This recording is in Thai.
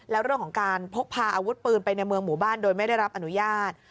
แล้วเรื่องของการพกพาอาวุธปืนไปในเมืองหมู่บ้านโดยไม่ได้รับอนุญาต